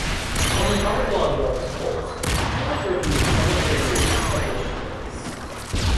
In his article on York's cult, Heimlich reviewed some of the leader's published works.